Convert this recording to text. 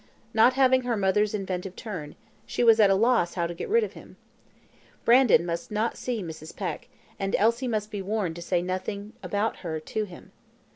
Not having her mother's inventive turn, she was at a loss how to get rid of him. Brandon must not see Mrs. Peck, and Elsie must be warned to say nothing about her to him.